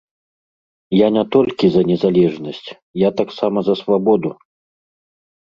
Я не толькі за незалежнасць, я таксама за свабоду.